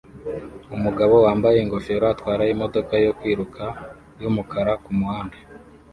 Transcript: Umugabo wambaye ingofero atwara imodoka yo kwiruka yumukara kumuhanda